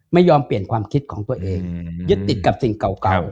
ไม่ยอมเปลี่ยนความคิดของตัวเองยึดติดกับสิ่งเก่า